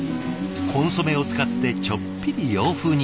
コンソメを使ってちょっぴり洋風に。